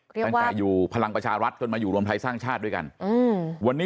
แปลงกายอยู่พลังประชารัฐจนมาอยู่รวมไทยสร้างชาติด้วยกัน